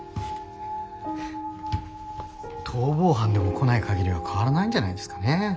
逃亡犯でも来ない限りは変わらないんじゃないですかね。